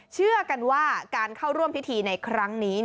เชื่อกันว่าการเข้าร่วมพิธีในครั้งนี้